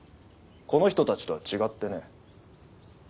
この人たちとは違ってね。